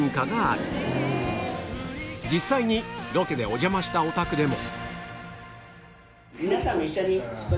実際にロケでお邪魔したお宅でも